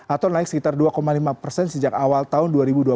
atau naik sekitar dua lima persen sejak awal tahun dua ribu dua puluh